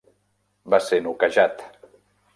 Va ser noquejat.